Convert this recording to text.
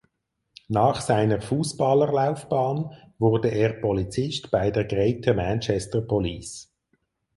Nach seiner Fußballerlaufbahn wurde er Polizist bei der Greater Manchester Police.